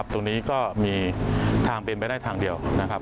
ตรงนี้ก็มีทางเป็นไปได้ทางเดียวนะครับ